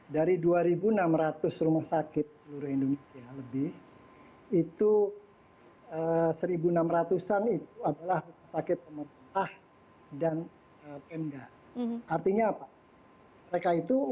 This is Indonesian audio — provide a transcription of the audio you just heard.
dari dua enam ratus rumah sakit seluruh indonesia lebih itu satu enam ratus an itu adalah rumah sakit